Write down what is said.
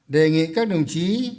đề nghị các đồng chí